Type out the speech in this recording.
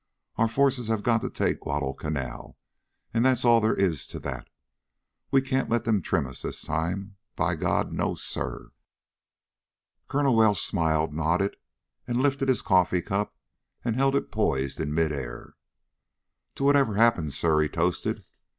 Our forces have got to take Guadalcanal! And that's all there is to that. We can't let them trim us this time. By God, no, sir!" Colonel Welsh smiled, nodded, and lifted his coffee cup and held it poised in midair. "To whatever happens, sir," he toasted.